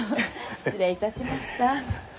失礼いたしました。